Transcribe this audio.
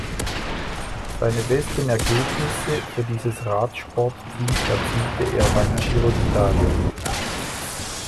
Seine besten Ergebnisse für dieses Radsportteam erzielte er beim Giro d’Italia.